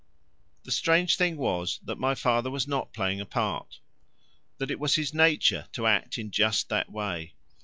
The strange thing was that my father was not playing a part that it was his nature to act in just that way.